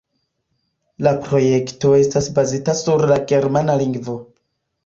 La projekto estas bazita sur la germana lingvo.